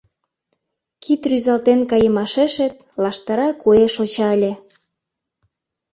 Кид рӱзалтен кайымашешет Лаштыра куэ шочале.